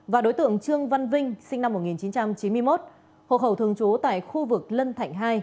và đối tượng trương văn vinh sinh năm một nghìn chín trăm chín mươi một hộ khẩu thường trú tại khu vực lân thạnh hai